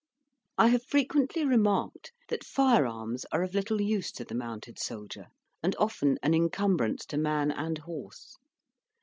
I have frequently remarked that firearms are of little use to the mounted soldier, and often an incumbrance to man and horse.